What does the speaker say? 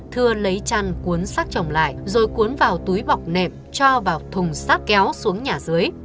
thưa lấy chăn cuốn xác chồng lại rồi cuốn vào túi bọc nệm cho vào thùng sát kéo xuống nhà dưới